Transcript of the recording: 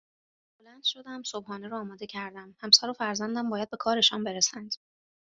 بلند شدم صبحانه را آماده کردم همسر و فرزندم باید به کارشان برسند